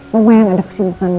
lumayan ada kesibukan baru